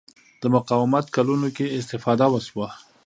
د مقاومت کلونو کې استفاده وشوه